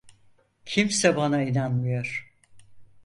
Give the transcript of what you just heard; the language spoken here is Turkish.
Kimse bana inanmıyor.